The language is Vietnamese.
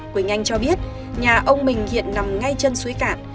quỳnh anh cho biết nhà ông mình hiện nằm ngay chân suối cạn